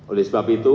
oleh sebab itu